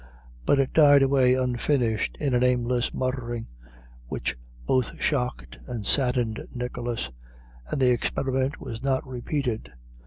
But it died away unfinished in an aimless muttering, which both shocked and saddened Nicholas, and the experiment was not repeated.